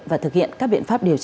và thực hiện các biện pháp điều tra